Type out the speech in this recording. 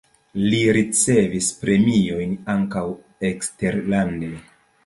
Li ricevis premiojn ankaŭ eksterlande.